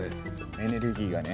エネルギーがね